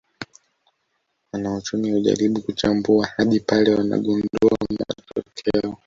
Wanauchumi hujaribu kuchambua hadi pale wanagundua matokeo